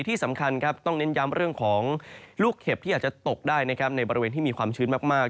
ที่สำคัญครับต้องเน้นย้ำเรื่องของลูกเห็บที่อาจจะตกได้นะครับในบริเวณที่มีความชื้นมาก